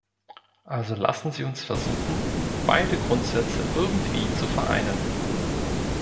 Also lassen Sie uns versuchen, beide Grundsätze irgendwie zu vereinen.